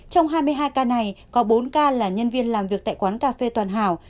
trong hai mươi hai ca này có bốn ca là nhân viên làm việc tại quán cà phê toàn hảo